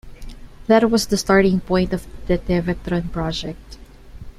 That was the starting point of the Tevatron project.